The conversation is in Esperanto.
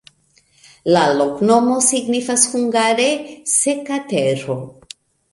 La loknomo signifas hungare: seka-tero.